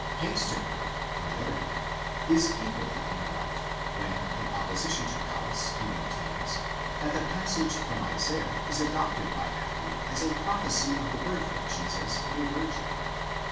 Hengstenberg, on the other hand, is equally in the right, when in opposition to Paulus he maintains, that the passage from Isaiah is adopted by Matthew as a prophecy of the birth of Jesus of a virgin.